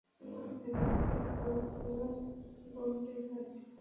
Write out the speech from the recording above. তোমার জানার কথা, তোমার বান্টি-ভাই।